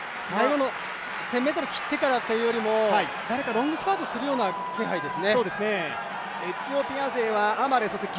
１０００ｍ切ってからというよりも誰かロングスパートするような気配ですね。